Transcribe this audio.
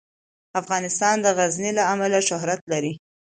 افغانستان د غزني له امله شهرت لري.